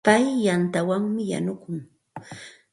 Pay yantawanmi yanukun.